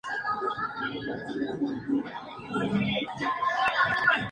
Desde entonces, la compañía se ha concentrado en ampliar su gama de productos.